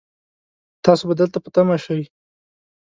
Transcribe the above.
تاسو به دلته په تمه شئ